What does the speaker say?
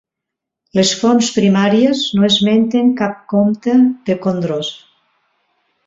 Les fonts primàries no esmenten cap comte de Condroz.